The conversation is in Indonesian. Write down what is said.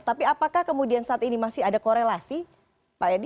tapi apakah kemudian saat ini masih ada korelasi pak edi